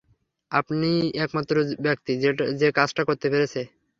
আপনিই একমাত্র ব্যক্তি যে কাজটা করতে পেরেছে।